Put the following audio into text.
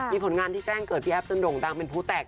มีผลงานที่แจ้งเกิดพี่แอฟจนโด่งดังเป็นผู้แตก